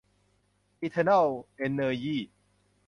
อีเทอเนิล เอนเนอยี